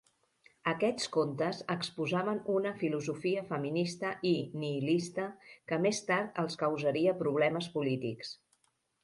Aquests contes exposaven una filosofia feminista i nihilista que més tard els causaria problemes polítics.